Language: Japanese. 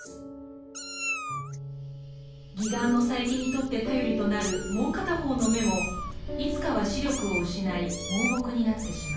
義眼の佐柄木にとって頼りとなるもう片方の眼もいつかは視力を失い盲目になってしまう。